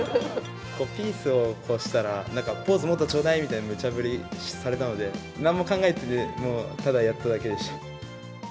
ピースをしたら、なんかポーズもっとちょうだいみたいな、むちゃ振りされたので、なんも考えずに、ただやっただけでした。